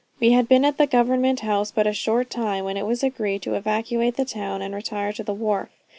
"We had been at the government house but a short time, when it was agreed to evacuate the town and retire to the wharf.